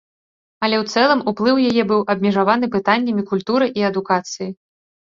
Але ў цэлым уплыў яе быў абмежаваны пытаннямі культуры і адукацыі.